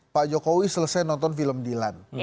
pak jokowi selesai nonton film dilan